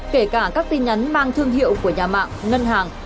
kể cả các tin nhắn mang thương hiệu của nhà mạng ngân hàng